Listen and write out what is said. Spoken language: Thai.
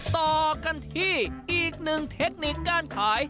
ต่อกันที่อีกหนึ่งเทคนิคการขาย